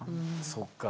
そっか。